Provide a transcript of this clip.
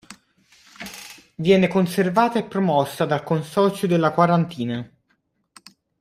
Viene conservata e promossa dal Consorzio della Quarantina.